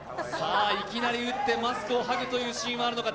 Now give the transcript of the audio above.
いきなり打ってマスクをはぐというシーンはあるのか。